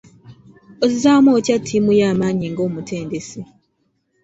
Ozzaamu otya ttiimu yo amaanyi nga omutendesi?